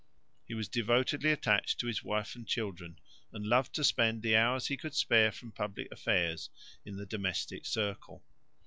He was devotedly attached to his wife and children, and loved to spend the hours he could spare from public affairs in the domestic circle.